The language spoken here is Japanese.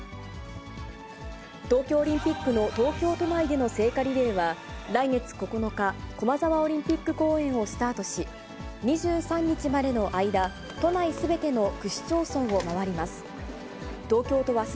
東京オリンピックの東京都内での聖火リレーは、来月９日、駒沢オリンピック公園をスタートし、２３日までの間、都内すべての区市町村を回ります。